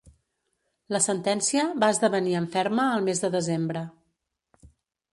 La sentència va esdevenir en ferma el mes de desembre.